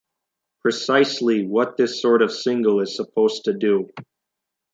Precisely what this sort of single is supposed to do.